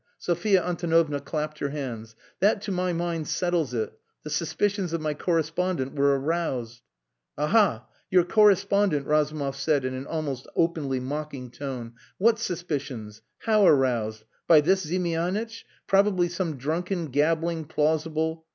Sophia Antonovna clapped her hands. "That, to my mind, settles it. The suspicions of my correspondent were aroused...." "Aha! Your correspondent," Razumov said in an almost openly mocking tone. "What suspicions? How aroused? By this Ziemianitch? Probably some drunken, gabbling, plausible..."